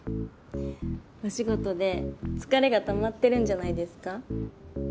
お仕事で疲れがたまってるんじゃないですか？